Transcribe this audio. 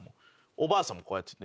おばあさんもこうやってて。